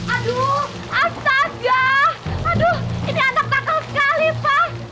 aduh ini anak takal sekali pak